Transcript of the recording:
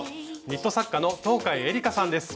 ニット作家の東海えりかさんです。